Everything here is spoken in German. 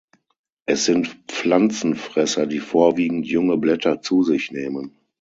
Es sind Pflanzenfresser, die vorwiegend junge Blätter zu sich nehmen.